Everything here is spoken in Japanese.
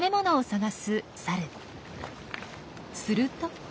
すると。